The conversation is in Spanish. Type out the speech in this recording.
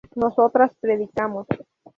nosotras predicamos